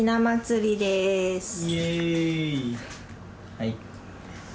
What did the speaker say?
はい。